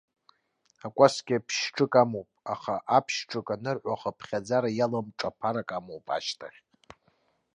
Акәаскьа ԥшь-ҿык амоуп, аха аԥшьҿык анырҳәо ахыԥхьаӡара иалам ҿаԥарак амоуп ашьҭахь.